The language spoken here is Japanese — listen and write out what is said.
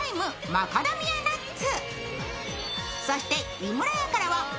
マカダミアナッツ。